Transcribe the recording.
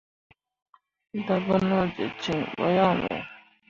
Dabonoje cin no yan be.